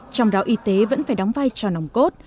trong đó y tế vẫn phải đóng vai cho nồng cốt